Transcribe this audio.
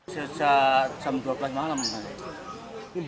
sejak jam dua belas malam